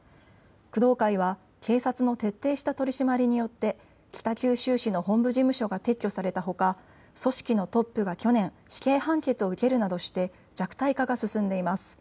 工藤会は警察の徹底した取締りによって北九州市の本部事務所が撤去されたほか組織のトップが去年、死刑判決を受けるなどして弱体化が進んでいます。